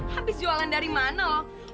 habis jualan dari mana loh